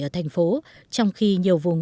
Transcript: ở thành phố trong khi nhiều vùng